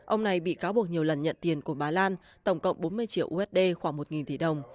ông này bị cáo buộc nhiều lần nhận tiền của bà lan tổng cộng bốn mươi triệu usd khoảng một tỷ đồng